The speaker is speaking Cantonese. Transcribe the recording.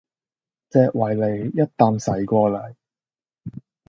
隻維尼一啖噬過嚟